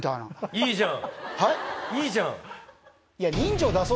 いいじゃん！